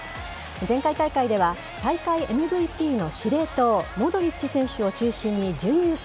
前回大会では大会ＭＶＰの司令塔モドリッチ選手を中心に準優勝。